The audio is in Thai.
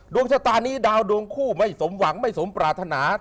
ดวงชะตานี้ดาวดวงคู่ไม่สมหวังไม่สมปรารถนา